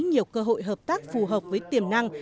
nhiều cơ hội hợp tác phù hợp với tiềm năng